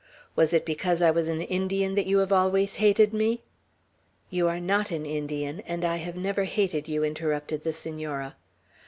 Was it because I was an Indian that you have always hated me?" "You are not an Indian, and I have never hated you," interrupted the Senora.